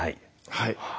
はい。